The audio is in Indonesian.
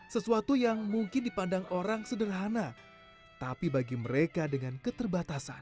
sesuatu yang mungkin dipandang orang sederhana tapi bagi mereka dengan keterbatasan